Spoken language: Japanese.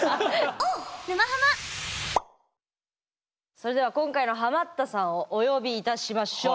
それでは今回のハマったさんをお呼びいたしましょう。